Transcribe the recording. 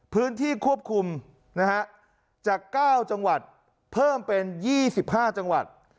พื้นที่ควบคุมจาก๙จังหวัดเพิ่มเป็น๒๕จังหวัด